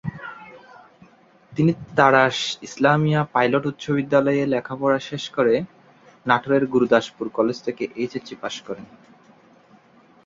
তিনি তাড়াশ ইসলামিয়া পাইলট উচ্চ বিদ্যালয়ে লেখাপড়া শেষ করে নাটোরের গুরুদাসপুর কলেজে থেকে এইচএসসি পাস করেন।